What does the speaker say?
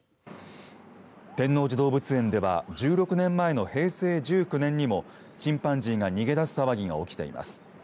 天王寺動物園では１６年前の平成１９年にもチンパンジーが逃げ出す騒ぎが起きています。